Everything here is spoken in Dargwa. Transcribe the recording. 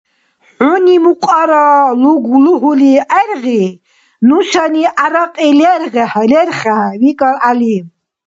Хӏуни мукьара лугьули гӏергъи, нушани гӏярякьи лерхехӏе, — викӏар Гӏяли.